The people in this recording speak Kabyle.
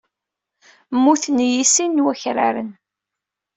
Mmuten-iyi sin n wakraren.